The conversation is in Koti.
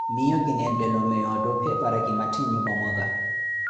Miiyo kinetthela omeya ottophe para ki matthe nyupayaka.